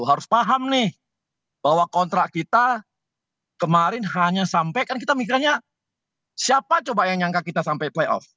harus paham nih bahwa kontrak kita kemarin hanya sampai kan kita mikirnya siapa coba yang nyangka kita sampai playoff